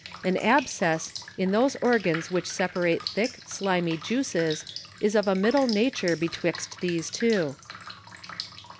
An Abscess in those Organs which separate thick, slimy Juices is of a middle nature betwixt these two.